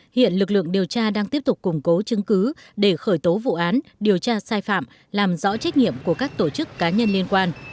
hiện lực lượng điều tra đang tiếp tục củng cố chứng cứ để khởi tố vụ án điều tra sai phạm làm rõ trách nhiệm của các tổ chức cá nhân liên quan